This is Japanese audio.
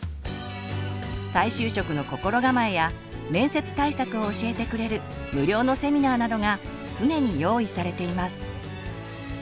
再就職の心構えや面接対策を教えてくれる無料のセミナーなどが常に用意されています。